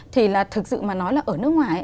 thì là thực sự mà nói là ở nước ngoài